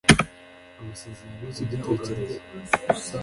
Amasezerano Cy Icyitegererezo